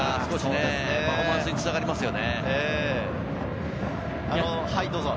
パフォーマンスにつながりますよね。